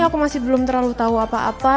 aku masih belum terlalu tahu apa apa